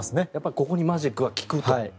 ここにマジックが効くと。